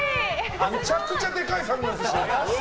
めちゃくちゃでかいサングラスしてる。